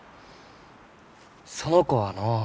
その子はのう。